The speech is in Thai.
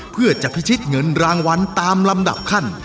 เพื่อจะพิชิตเงินรางวัลตามลำดับขั้น